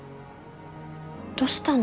どしたの？